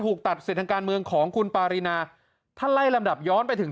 ผู้กล้าที่เสียสลัดจากคุณปารินาครับบอกว่าคุณปารินาครับบอกว่าคุณ